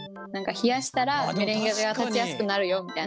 冷やしたらメレンゲが立ちやすくなるよみたいな。